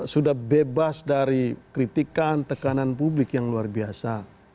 sudah bebas dari kritikan tekanan publik yang luar biasa